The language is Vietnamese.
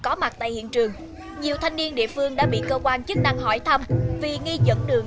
có mặt tại hiện trường nhiều thanh niên địa phương đã bị cơ quan chức năng hỏi thăm vì nghi dẫn đường